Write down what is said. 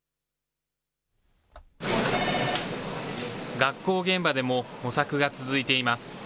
学校現場でも模索が続いています。